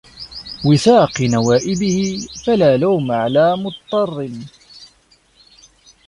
وِثَاقِ نَوَائِبِهِ ، فَلَا لَوْمَ عَلَى مُضْطَرٍّ